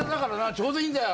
ちょうどいいんだよ